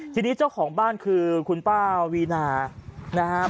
ทีนี้เจ้าของบ้านคือคุณป้าวีนานะครับ